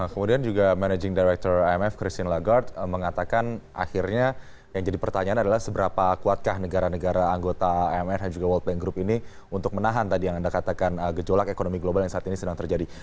kemudian juga managing director imf christine lagarde mengatakan akhirnya yang jadi pertanyaan adalah seberapa kuatkah negara negara anggota imr dan juga world bank group ini untuk menahan tadi yang anda katakan gejolak ekonomi global yang saat ini sedang terjadi